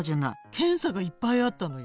検査がいっぱいあったのよ。